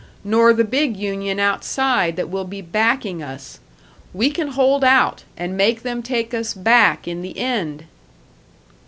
Nor the big union outside, that will be backing us! We can hold out, and make them take us back in the end!"